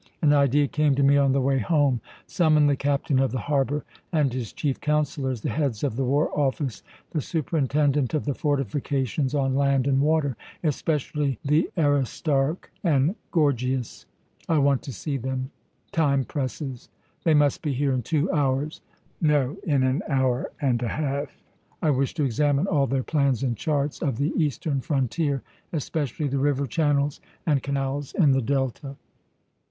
An idea came to me on the way home. Summon the captain of the harbour and his chief counsellors, the heads of the war office, the superintendent of the fortifications on land and water, especially the Aristarch and Gorgias I want to see them. Time presses. They must be here in two hours no, in an hour and a half. I wish to examine all their plans and charts of the eastern frontier, especially the river channels and canals in the Delta."